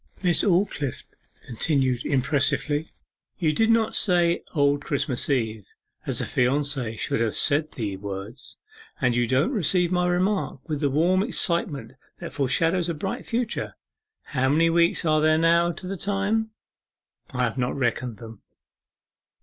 Miss Aldclyffe continued impressively, 'You did not say "Old Christmas Eve" as a fiancee should have said the words: and you don't receive my remark with the warm excitement that foreshadows a bright future.... How many weeks are there to the time?' 'I have not reckoned them.